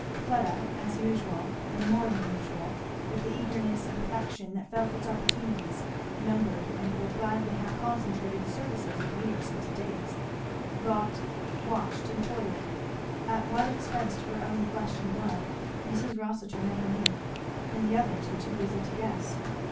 Fleda as usual, and more than usual, with the eagerness of affection that felt its opportunities numbered and would gladly have concentrated the services of years into days, wrought, watched, and toiled, at what expense to her own flesh and blood Mrs. Rossitur never knew, and the others were too busy to guess.